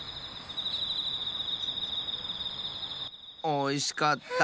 おいしかった！